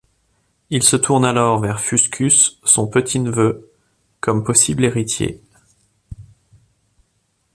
Il se tourne alors vers Fuscus, son petit-neveu, comme possible héritier.